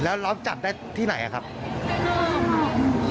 แล้วตัวอ้วนเราก็เลยบอกวิ่งแล้วเราก็วิ่งวิ่งไป